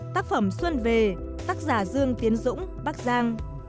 tác phẩm xuân về tác giả dương tiến dũng bắc giang